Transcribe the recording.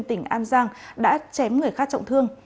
tỉnh an giang đã chém người khác trọng thương